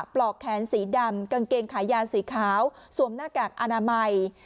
ปลอกแขนสีดำกางเกงขายาวสีขาวสวมหน้ากากอนามัย